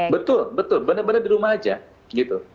betul betul bener bener di rumah aja gitu